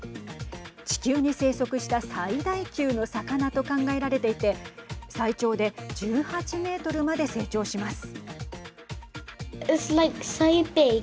地球に生息した最大級の魚と考えられていて最長で１８メートルまで成長します。